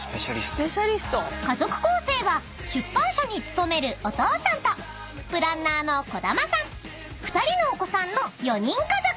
［家族構成は出版社に勤めるお父さんとプランナーの児玉さん２人のお子さんの４人家族］